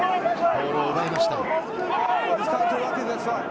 ボールを奪いました。